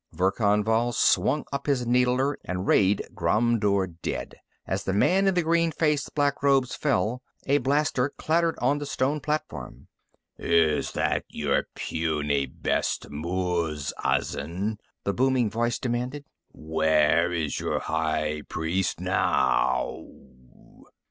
Verkan Vall swung up his needler and rayed Ghromdur dead; as the man in the green faced black robes fell, a blaster clattered on the stone platform. "Is that your puny best, Muz Azin?" the booming voice demanded. "_Where is your high priest now?